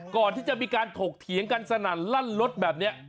ก่อนที่จะมีการถกเถียงกันสนั่นลั่นรถแบบนี้